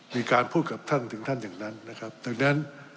มีการพูดกับท่านถึงท่านอย่างนั้นนะครับดังนั้น